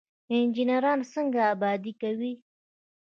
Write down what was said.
انجنیران څنګه ابادي کوي؟